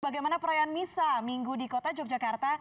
bagaimana perayaan misa minggu di kota yogyakarta